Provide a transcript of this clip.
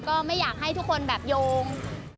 ก็ไม่อยากให้ทุกคนแบบโยง